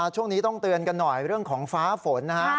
ช่วงนี้ต้องเตือนกันหน่อยเรื่องของฟ้าฝนนะครับ